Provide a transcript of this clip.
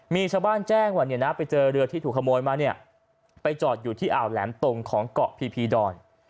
มีชาวบ้านแจ้งว่าเนี่ยนะไปเจอเรือที่ถูกขโมยมาเนี่ยไปจอดอยู่ที่อ่าวแหลมตรงของเกาะพีพีดอน